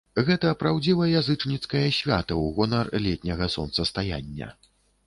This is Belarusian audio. Гэта праўдзіва язычніцкае свята ў гонар летняга сонцастаяння.